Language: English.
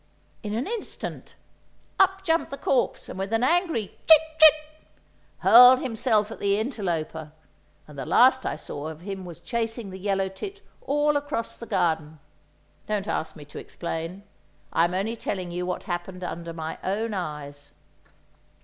In an instant up jumped the corpse, and with an angry "Chit! chit!" hurled himself at the interloper; and the last I saw of him was chasing the yellow tit all across the garden. Don't ask me to explain; I am only telling you what happened under my own eyes.